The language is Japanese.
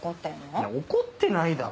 いや怒ってないだろ。